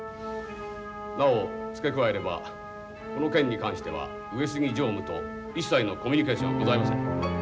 なお付け加えればこの件に関しては上杉常務と一切のコミュニケーションはございません。